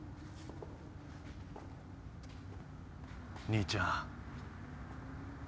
兄ちゃん。